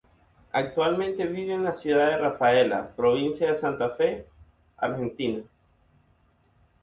Actualmente vive en la ciudad de Rafaela, provincia de Santa Fe, Argentina.